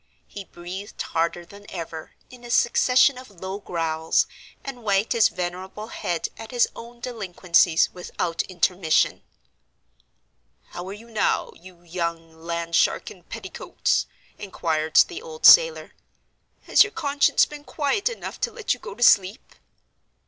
He breathed harder than ever, in a succession of low growls, and wagged his venerable head at his own delinquencies without intermission. "How are you now, you young land shark in petticoats?" inquired the old sailor. "Has your conscience been quiet enough to let you go to sleep?"